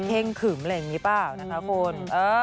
เคร่งขึมอะไรอย่างนี้เปล่านะครับคุณ